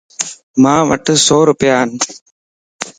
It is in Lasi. ماوٽ سوروپيا ان